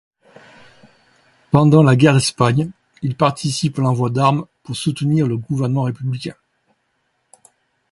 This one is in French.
Pendant la guerre d'Espagne, il participe à l'envoi d'armes pour soutenir le gouvernement républicain.